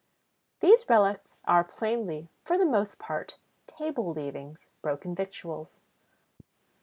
These relics are plainly, for the most part, table leavings, broken victuals.